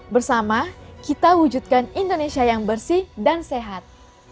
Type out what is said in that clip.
bersama kita wujudkan indonesia yang bersih dan sehat